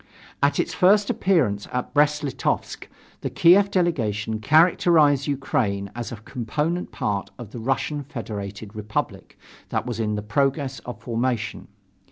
At its first appearance at Brest Litovsk, the Kiev delegation characterized Ukraine as a component part of the Russian Federated Republic that was in progress of formation.